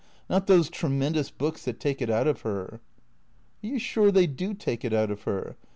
Not those tremendous books that take it out of her." " Are you sure they do take it out of her